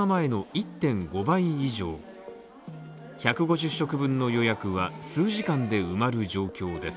１５０食分の予約は数時間で埋まる状況です。